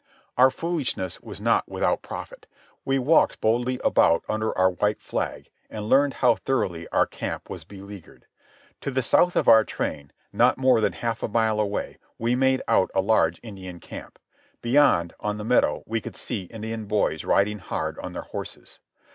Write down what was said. Our foolishness was not without profit. We walked, boldly about under our white flag, and learned how thoroughly our camp was beleaguered. To the south of our train, not more than half a mile away, we made out a large Indian camp. Beyond, on the meadow, we could see Indian boys riding hard on their horses.